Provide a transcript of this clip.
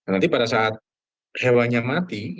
nanti pada saat hewannya mati